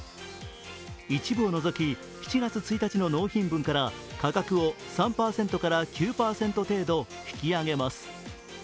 一部を除き、７月１日の納品分から価格を３％から９％程度引き上げます。